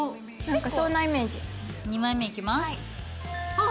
あっ！